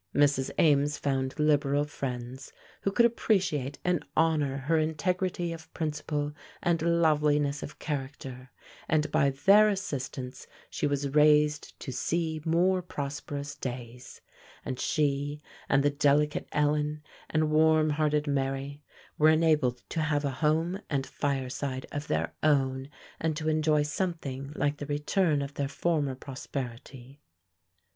Mrs. Ames found liberal friends, who could appreciate and honor her integrity of principle and loveliness of character, and by their assistance she was raised to see more prosperous days; and she, and the delicate Ellen, and warm hearted Mary were enabled to have a home and fireside of their own, and to enjoy something like the return of their former prosperity.